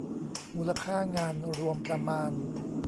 มูลค่างานรวมประมาณ